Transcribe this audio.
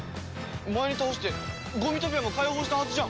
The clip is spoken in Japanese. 前に倒してゴミトピアも解放したはずじゃ。